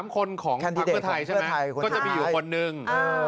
๓คนของเพื่อไทยใช่ไหมก็จะมีอยู่คนนึง